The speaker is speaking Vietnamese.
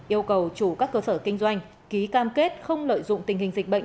yêu cầu chủ các cơ sở kinh doanh ký cam kết không lợi dụng tình hình dịch bệnh